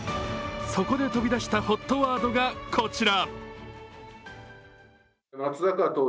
そこで飛び出したＨＯＴワードがこちら。